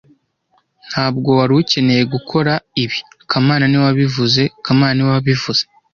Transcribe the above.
Ntabwo wari ukeneye gukora ibi kamana niwe wabivuze kamana niwe wabivuze